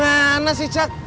gimana sih jack